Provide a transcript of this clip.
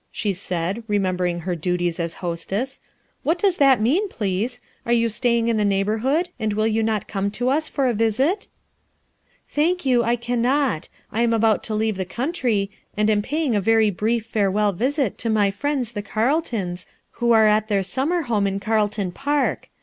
she said, re membering her duties as hostess. "What does that mean, please ? Are you staying in the neigh borhood, and will you not come to us for a vfcit ?"' "Thank you, I cannot, I am about to leave the country, and am paying a very* brief fare well visit lo my friends the Carletona, who ire tit their summer home in Carle ton Park.